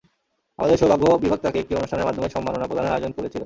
আমাদের সৌভাগ্য, বিভাগ তাঁকে একটি অনুষ্ঠানের মাধ্যমে সম্মাননা প্রদানের আয়োজন করেছিল।